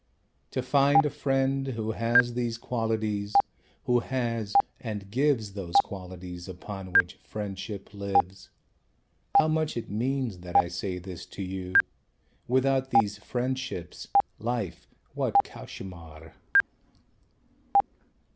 To find a friend who has these qualities, Who has, and gives Those qualities upon which friendship lives. How much it means that I say this to you Without these friendships life, what cauchemar!"